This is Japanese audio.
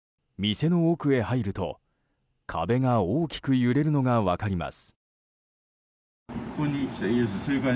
店の奥へ入ると、壁が大きく揺れるのが分かります。